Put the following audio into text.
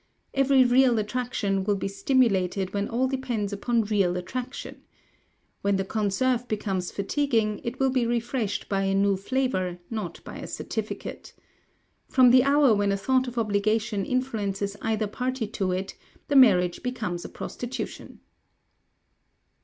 Every real attraction will be stimulated when all depends upon real attraction. When the conserve becomes fatiguing, it will be refreshed by a new flavour, not by a certificate. From the hour when a thought of obligation influences either party to it, the marriage becomes a prostitution."